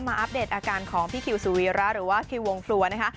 อัปเดตอาการของพี่คิวสุวีระหรือว่าคิววงฟลัวนะคะ